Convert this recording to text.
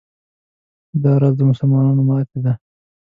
دا راز د مسلمانانو ماتې ده.